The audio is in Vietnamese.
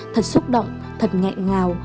thật xúc động thật ngạc ngào